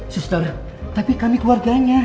suster tapi kami keluarganya